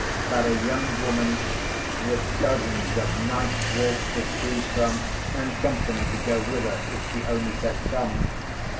That a young woman, with dozens of nice walks to choose from, and company to go with her, if she only said "Come!"